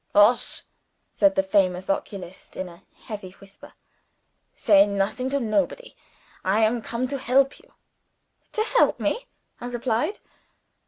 "Hosh!" said the famous oculist in a heavy whisper. "Say nothing to nobody. I am come to help you." "To help me?" I repeated.